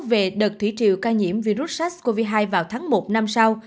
về đợt thủy triều ca nhiễm virus sars cov hai vào tháng một năm sau